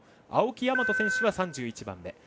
青木大和選手は３１番目。